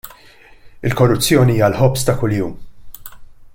Il-korruzzjoni hija l-ħobż ta' kuljum.